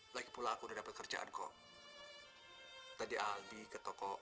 lagi pula aku udah dapat kerjaan kok tadi aldi ke toko